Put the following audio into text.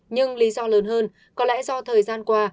nhưng lý do lớn hơn có lẽ do thời gian qua